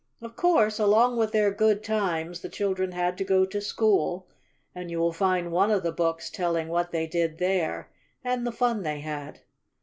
Of course, along with their good times, the children had to go to school, and you will find one of the books telling what they did there, and the fun they had.